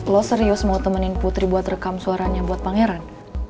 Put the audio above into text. lo serius mau temenin putri buat rekam suaranya buat pangeran